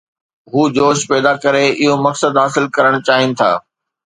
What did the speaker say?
هو جوش پيدا ڪري اهو مقصد حاصل ڪرڻ چاهين ٿا.